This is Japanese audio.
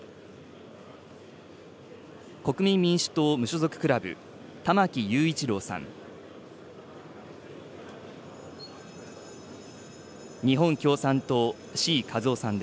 国民民主党・無所属クラブ、玉木雄一郎さん。